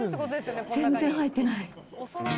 全然入ってない。